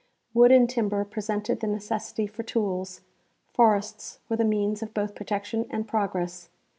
Wood and timber pre sented the necessity for tools ; forests were the means of both protection and progress.